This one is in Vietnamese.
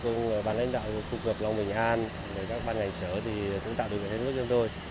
các cơ quan lãnh đạo của khu vực long bình an các ban ngành sở thì cũng tạo được những hướng dẫn cho chúng tôi